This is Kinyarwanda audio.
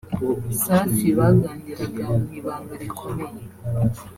Safi baganiraga mu ibanga rikomeye